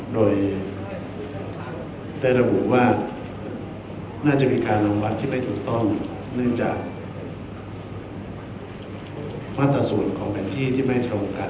โดยได้ระบุว่าน่าจะมีการรางวัลที่ไม่ถูกต้องเนื่องจากมาตรส่วนของแผนที่ที่ไม่ตรงกัน